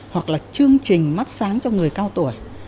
hoặc là chương trình mắt sáng cho người cao tuổi